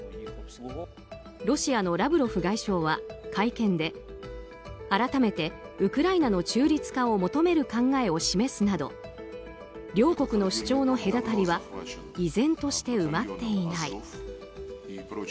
ロシアのラブロフ外相は会見で改めてウクライナの中立化を求める考えを示すなど両国の主張の隔たりは依然として埋まっていない。